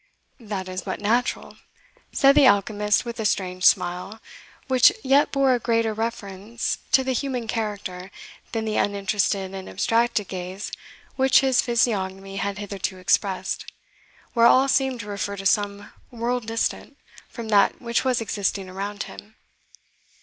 "That is but natural," said the alchemist with a strange smile, which yet bore a greater reference to the human character than the uninterested and abstracted gaze which his physiognomy had hitherto expressed, where all seemed to refer to some world distant from that which was existing around him.